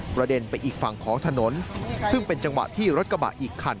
เด็นไปอีกฝั่งของถนนซึ่งเป็นจังหวะที่รถกระบะอีกคัน